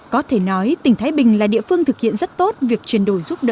có thể nói tỉnh thái bình là địa phương thực hiện rất tốt việc chuyển đổi giúp đỡ